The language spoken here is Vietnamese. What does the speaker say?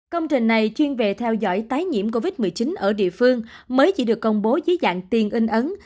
công trình này chuyên về theo dõi tái nhiễm covid một mươi chín ở địa phương mới chỉ được công bố dưới dạng tiền in ấn